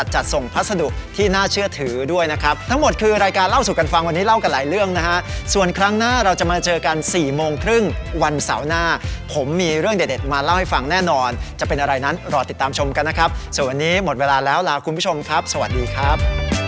จะเป็นอะไรนั้นรอติดตามชมกันนะครับสวัสดีหมดเวลาแล้วลาคุณผู้ชมครับสวัสดีครับ